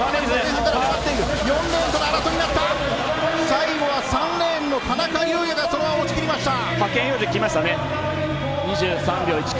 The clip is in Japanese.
最後は３レーンの田中優弥がそのまま持ちきりました。